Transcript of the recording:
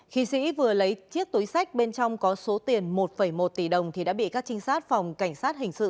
khi sĩ vừa lấy chiếc túi sách bên trong có số tiền một một tỷ đồng thì đã bị các trinh sát phòng cảnh sát hình sự